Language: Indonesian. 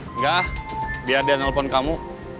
enggak biar dia nelpon kamu